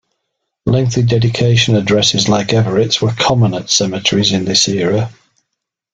Lengthy dedication addresses like Everett's were common at cemeteries in this era.